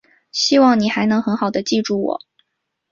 希望你还能很好地记住我。